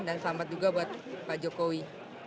dan selamat juga buat pak jokowi